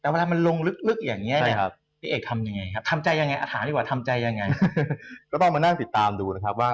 เวลาทางดูรู้สึกไหมพี่โอ้โหมันเร็วมากเลย